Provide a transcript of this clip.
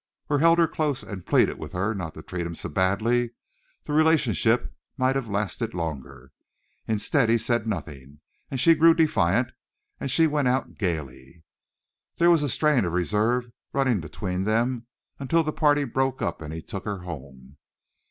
or held her close and pleaded with her not to treat him so badly, the relationship might have lasted longer. Instead he said nothing, and she grew defiant and she went out gaily. There was a strain of reserve running between them until the party broke up and he took her home.